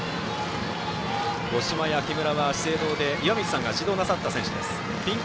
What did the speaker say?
五島や木村は資生堂で岩水さんが指導なさった選手です。